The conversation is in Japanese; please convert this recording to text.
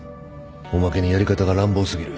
おまけにやり方が乱暴すぎる。